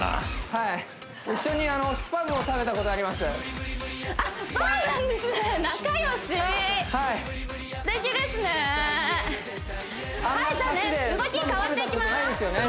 はい一緒にスパムを食べたことありますそうなんですね